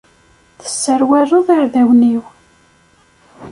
Tesserwaleḍ iɛdawen-iw.